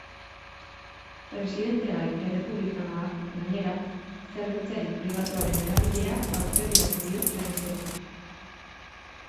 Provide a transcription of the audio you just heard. Presidentegai errepublikanoak, gainera, zerbitzari pribatuaren erabilera aurpegiratu dio berriz ere.